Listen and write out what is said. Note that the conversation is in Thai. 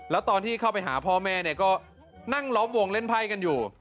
แล้วตอนที่เข้าไปหาพ่อแม่เนี่ยก็นั่งล้อมวงเล่นไพ่กันอยู่